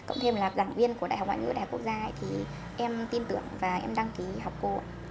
cộng thêm là giảng viên của đại học ngoại ngữ đại học quốc gia thì em tin tưởng và em đăng ký học cô ạ